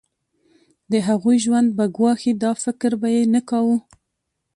د هغوی ژوند به ګواښي دا فکر به یې نه کاوه.